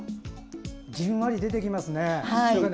じんわり出てきますね。